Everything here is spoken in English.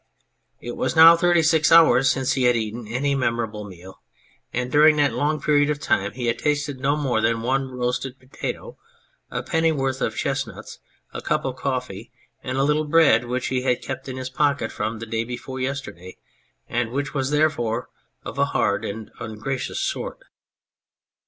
It was now thirty six hours since he had eaten any memorable meal, and during that long period of time he had tasted no more than one roasted potato, a pennyworth of chestnuts, a cup of coffee, and a little bread which he had kept in his pocket from the day before yesterday, and which was therefore of a hard and ungracious sort.